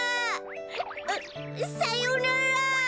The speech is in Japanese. あっさようなら！